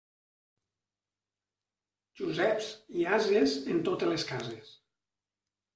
Joseps i ases en totes les cases.